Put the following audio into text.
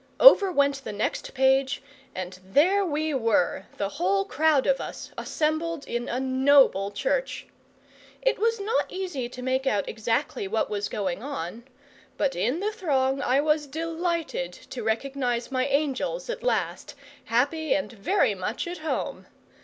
Over went the next page, and there we were, the whole crowd of us, assembled in a noble church. It was not easy to make out exactly what was going on; but in the throng I was delighted to recognize my angels at last, happy and very much at home.